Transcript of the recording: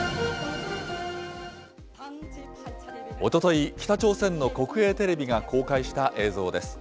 おととい、北朝鮮の国営テレビが公開した映像です。